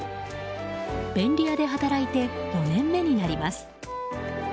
便利屋で働いて４年目になります。